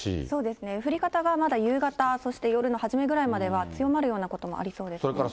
そうですね、降り方がまだ夕方、そして夜の初めぐらいまでは、強まるようなこともありそうですね。